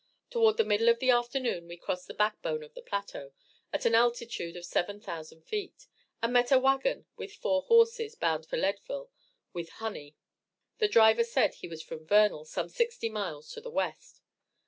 Toward the middle of the afternoon we crossed the backbone of the plateau, at an altitude of seven thousand feet, and met a wagon with four horses, bound for Leadville with honey. The driver said he was from Vernal, some sixty miles to the west.